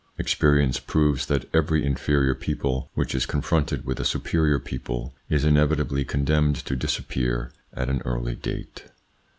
Experience proves that every inferior people which is confronted with a superior people is inevitably condemned to disappear at an early date.